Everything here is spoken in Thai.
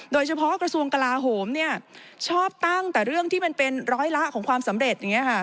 โดยเฉพาะกระทรวงกลาโหมเนี่ยชอบตั้งแต่เรื่องที่มันเป็นร้อยละของความสำเร็จ